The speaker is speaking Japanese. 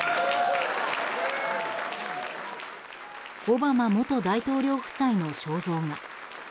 オバマ元大統領夫妻の肖像画。